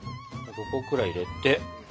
５個くらい入れて。